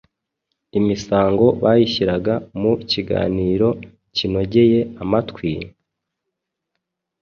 Imisango bayishyiraga mu kiganiro kinogeye amatwi,